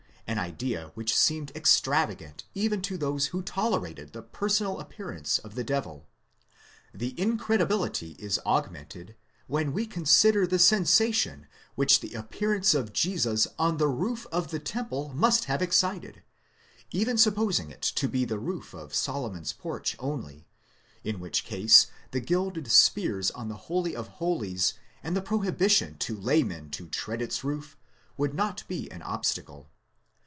* an idea which seemed extravagant even to those who tolerated the personal appearance of the devil. The incredibility is augmented, when we consider the sensation which the appearance of Jesus on the roof of the temple must have excited, even supposing it to be the roof of Solomon's Porch only, in which case the gilded spears on the holy of holies, and the prohibition to laymen to tread its roof, would not be an obstacle.!